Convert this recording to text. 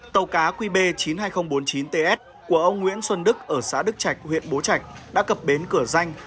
tàu cá qb chín mươi hai nghìn bốn mươi chín ts của ông nguyễn xuân đức ở xã đức trạch huyện bố trạch đã cập bến cửa danh